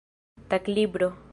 taglibro